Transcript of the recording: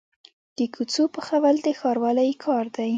د کوڅو پخول د ښاروالۍ کار دی